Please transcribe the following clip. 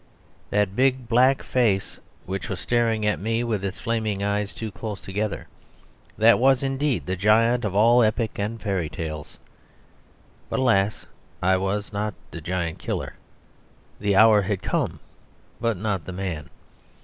That big black face, which was staring at me with its flaming eyes too close together, that was indeed the giant of all epic and fairy tales. But, alas! I was not the giant killer; the hour had come, but not the man.